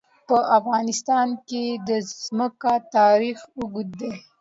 په افغانستان کې د ځمکه تاریخ اوږد دی.